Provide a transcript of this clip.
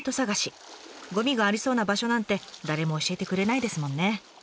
ゴミがありそうな場所なんて誰も教えてくれないですもんね。